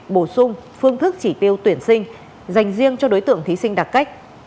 bổ sung phương thức chỉ tiêu tuyển sinh dành riêng cho đối tượng thí sinh đặc cách